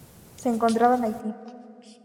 Se encontraba en Haití.